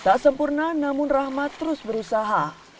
tak sempurna namun rahmat terus berusaha